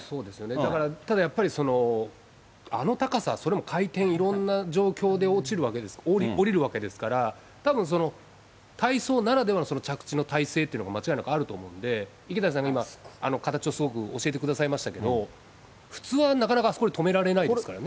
だから、ただやっぱり、あの高さ、それも回転、いろんな状況で落ちるわけです、下りるわけですから、たぶん、体操ならではの着地の体勢っていうのが間違いなくあると思うんで、池谷さんが今、形をすごく教えてくださいましたけど、普通はなかなかあそこで止められないですからね。